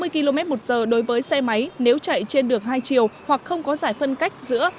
sáu mươi km một giờ đối với xe máy nếu chạy trên đường hai chiều hoặc không có giải phân cách giữa